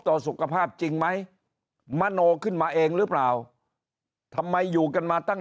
ต่อสุขภาพจริงไหมมโนขึ้นมาเองหรือเปล่าทำไมอยู่กันมาตั้ง